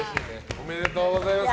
おめでとうございます。